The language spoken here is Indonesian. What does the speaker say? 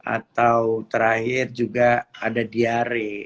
atau terakhir juga ada diare